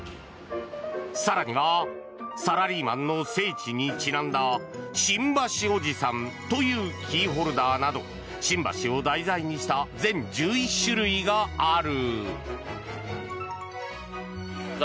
更にはサラリーマンの聖地にちなんだ新橋おじさんというキーホルダーなど新橋を題材にした全１１種類がある。